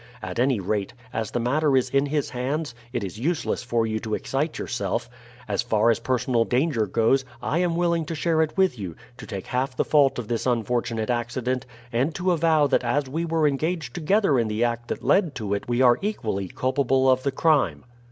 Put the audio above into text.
At any rate, as the matter is in his hands, it is useless for you to excite yourself. As far as personal danger goes, I am willing to share it with you, to take half the fault of this unfortunate accident, and to avow that as we were engaged together in the act that led to it we are equally culpable of the crime.